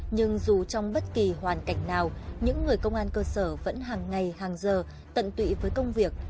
nhưng dù trong bất kỳ hoàn cảnh nào những người công an cơ sở vẫn hàng ngày hàng giờ tận tụy với công việc